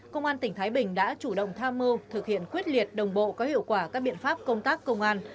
công an tỉnh thái bình đã chủ động tham mưu thực hiện quyết liệt đồng bộ có hiệu quả các biện pháp công tác công an